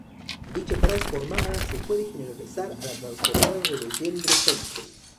Dicha transformada se puede generalizar a la transformada de Legendre-Fenchel.